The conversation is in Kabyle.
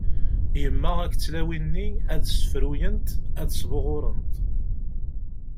Yemma akked tlawin-nni ad ssefruyent, ad sbuɣurent.